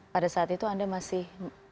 pada saat itu anda masih